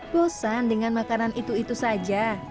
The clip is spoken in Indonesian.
bosan dengan makanan itu itu saja